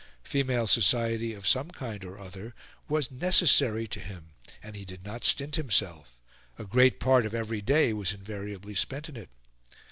Female society of some kind or other was necessary to him, and he did not stint himself; a great part of every day was invariably spent in it.